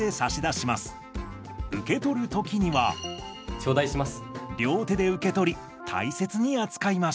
頂戴します。